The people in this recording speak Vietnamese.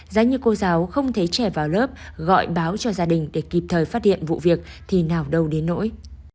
giá như cô giáo không thấy trẻ vào lớp gọi báo cho gia đình để kịp thời phát hiện vụ việc thì nào đâu đến nỗi